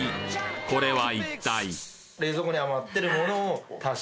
これは一体？